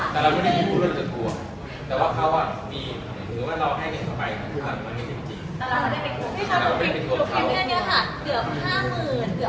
แต่เราก็ไม่ได้ยูดว่าจะกลัวแต่ว่าเขาอะมีหรือว่าเราให้เงินขับไปคือหลังมันไม่ได้เป็นจริง